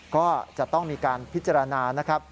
ก็จะต้องมีการพิจารณา